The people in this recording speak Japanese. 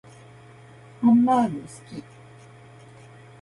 ハンバーグ好き